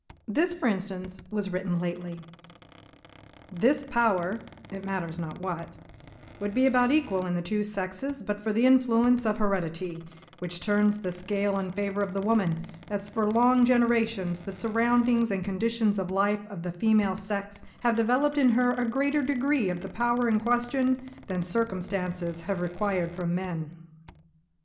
This, for instance, was written lately: "This power [it matters not what] would be about equal in the two sexes but for the influence of heredity, which turns the scale in favour of the woman, as for long generations the surroundings and conditions of life of the female sex have developed in her a greater degree of the power in question than circumstances have required from men."